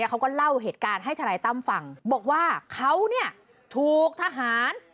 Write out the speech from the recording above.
เขาก็เล่าเหตุการณ์ให้ทนายตั้มฟังบอกว่าเขาถูกทหาร